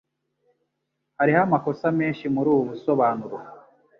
Hariho amakosa menshi muri ubu busobanuro